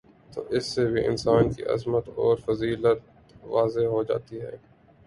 تو اس سے بھی انسان کی عظمت اور فضیلت واضح ہو جاتی ہے